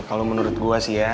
kalau menurut gue sih ya